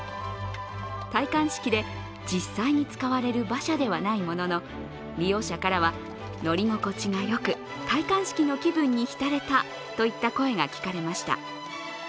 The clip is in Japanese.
戴冠式で実際に使われる馬車ではないものの利用者からは、乗り心地がよく、戴冠式の気分にひたれたといった声が聞かれました。